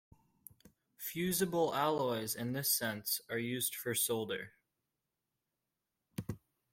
Fusible alloys in this sense are used for solder.